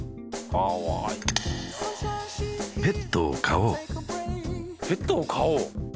かわいいペットを飼おうペットを飼おう？